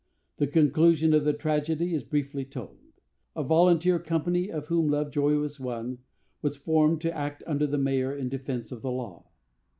The conclusion of the tragedy is briefly told. A volunteer company, of whom Lovejoy was one, was formed to act under the mayor in defence of the law.